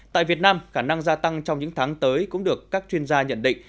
tại việt nam khả năng gia tăng trong những tháng tới cũng được các chuyên gia nhận định